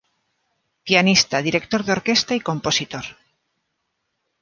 Pianista, director de orquesta y compositor.